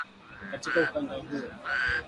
Katika ukanda huo